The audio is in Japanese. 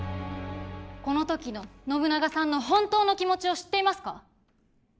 この時の信長さんの本当の気持ちを知っていますか？